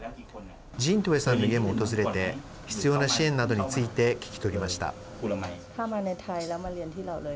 ジン・トゥエーさんの家も訪れて、必要な支援などについて聞き取りました。